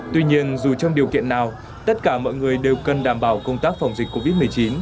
tuy nhiên dù trong điều kiện nào tất cả mọi người đều cần đảm bảo công tác phòng dịch covid một mươi chín